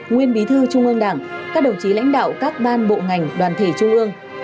nguyên bí thư trung ương đảng các đồng chí lãnh đạo các ban bộ ngành đoàn thể trung ương